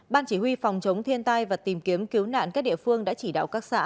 ban chỉ huy phòng chống thiên tai và tìm kiếm cứu nạn các địa phương đã chỉ đạo các xã